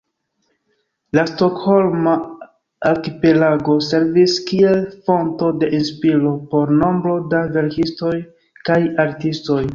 La Stokholma arkipelago servis kiel fonto de inspiro por nombro da verkistoj kaj artistoj.